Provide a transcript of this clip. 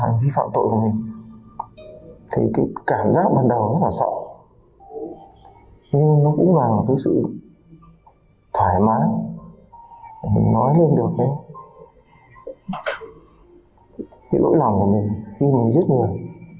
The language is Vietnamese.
nó cũng là một thứ sự thoải mái để nói lên được lỗi lòng của mình khi mình giết người